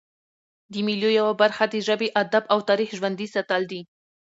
د مېلو یوه برخه د ژبي، ادب او تاریخ ژوندي ساتل دي.